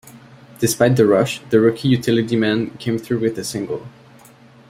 Despite the rush, the rookie utility man came through with a single.